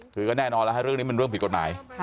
คือก็แน่นอนแล้วเรื่องนี้มันเรื่องผิดกฎหมาย